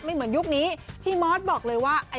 เหมือนยุคนี้พี่มอสบอกเลยว่า